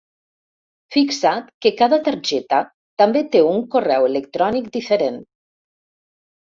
Fixa't que cada targeta també té un correu electrònic diferent.